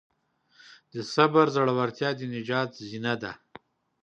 د صبر زړورتیا د نجات زینه ده.